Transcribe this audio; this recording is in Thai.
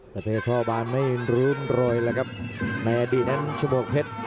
แต่เพศพ่อบ้านไม่รุนรอยแล้วครับในอดีตนั้นชมวกเพชร